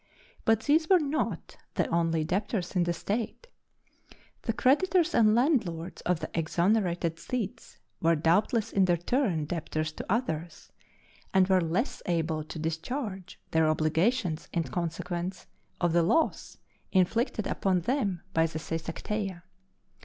But these were not the only debtors in the state: the creditors and landlords of the exonerated Thetes were doubtless in their turn debtors to others, and were less able to discharge their obligations in consequence of the loss inflicted upon them by the Seisachtheia.